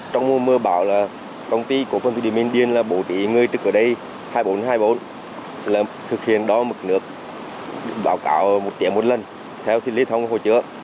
trong mùa mưa bão công ty của phòng thủy điện bình điền bổ trí người trực ở đây hai mươi bốn hai mươi bốn thực hiện đo mực nước báo cáo một tiếng một lần theo lý thông hồ chứa